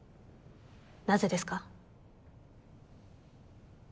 なぜですか？